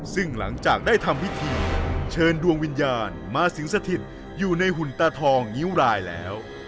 ซึ่งหลังจากได้ทำพิธีเชิญดวงวิญญาณมาสิงสถิตอยู่ในหุ่นตาทองนิ้วรายแล้ว